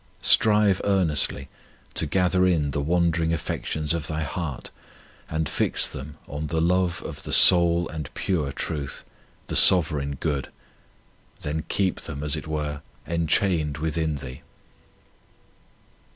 Strive earnestly to gather in the wander ing affections of thy heart and fix them on the love of the sole and pure Truth, the Sovereign Good; then keep them, as it were, en chained within thee.